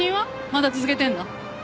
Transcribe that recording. まだ続けてるの？